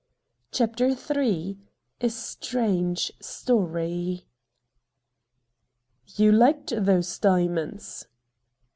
55 CHAPTEE m A STRA^'GE STOEY ' You liked those diamonds